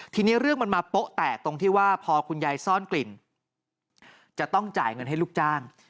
ทีนี้เรื่องมันมาโป๊ะแตกตรงที่ว่าพอคุณยายซ่อนกลิ่นจะต้องจ่ายเงินให้ลูกจ้าง